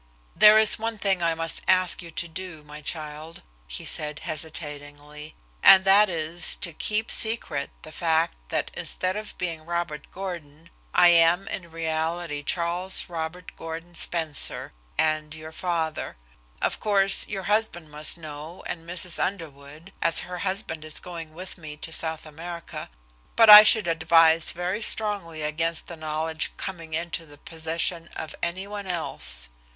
"There is one thing I must ask you to do, my child," he said hesitatingly, "and that is to keep secret the fact that instead of being Robert Gordon, I am in reality Charles Robert Gordon Spencer, and your father. Of course your husband must know and Mrs. Underwood, as her husband is going with me to South America. But I should advise very strongly against the knowledge coming into the possession of any one else.